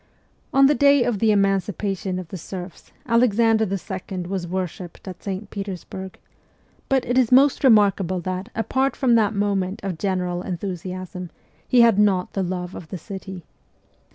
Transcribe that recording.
On the daj r of the emancipation of the serfs Alexander II. was worshipped at St. Petersburg ; but it is most remarkable that, apart from that moment of general enthusiasm, he had not the love of the city.